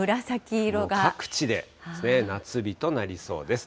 各地で夏日となりそうです。